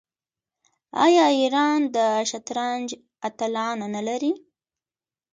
آیا ایران د شطرنج اتلان نلري؟